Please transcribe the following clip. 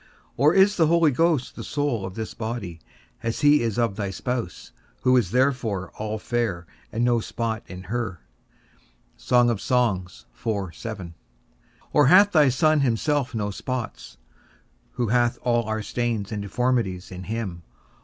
or is the Holy Ghost the soul of this body, as he is of thy spouse, who is therefore all fair, and no spot in her? or hath thy Son himself no spots, who hath all our stains and deformities in him?